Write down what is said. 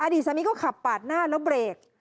ดีสามีก็ขับปาดหน้าแล้วเบรก